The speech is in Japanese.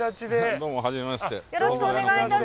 どうもはじめまして。